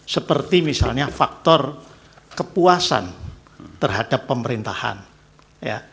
seperti misalnya faktor kepuasan terhadap pemerintahan ya